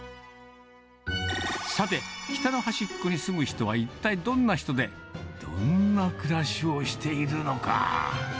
さて、北の端っこに住む人は一体どんな人で、どんな暮らしをしているのか。